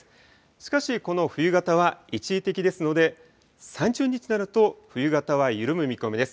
しかし、この冬型は一時的ですので、３０日になると冬型は緩む見込みです。